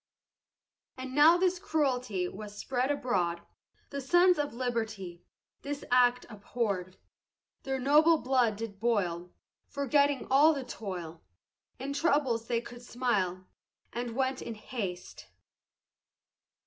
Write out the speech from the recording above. And now this cruelty Was spread abroad, The sons of liberty This act abhorr'd, Their noble blood did boil, Forgetting all the toil, In troubles they could smile, And went in haste.